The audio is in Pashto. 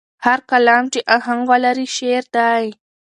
هر کلام چې آهنګ ولري، شعر دی.